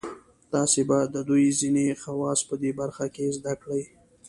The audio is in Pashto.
تاسې به د دوی ځینې خواص په دې برخه کې زده کړئ.